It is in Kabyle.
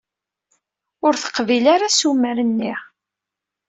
Ur teqbil ara assumer-nni.